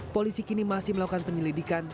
polisi kini masih melakukan penyelidikan